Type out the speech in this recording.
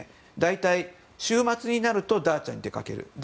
大体、週末になるとダーチャに出かける。